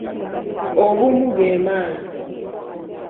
Obumu ge maanyi.